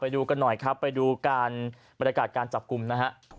ดูกันหน่อยครับไปดูการบรรยากาศการจับกลุ่มนะฮะ